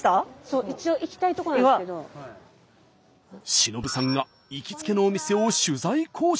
忍さんが行きつけのお店を取材交渉。